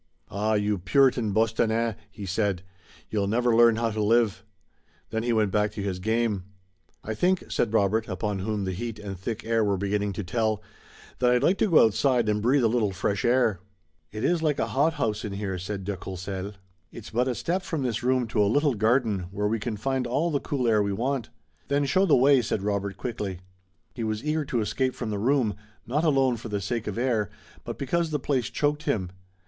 "Ah, you Puritan Bostonnais!" he said; "you'll never learn how to live." Then he went back to his game. "I think," said Robert, upon whom the heat and thick air were beginning to tell, "that I'd like to go outside and breathe a little fresh air." "It is like a hothouse in here," said de Courcelles. "It's but a step from this room to a little garden, where we can find all the cool air we want." "Then show the way," said Robert quickly. He was eager to escape from the room, not alone for the sake of air, but because the place choked him.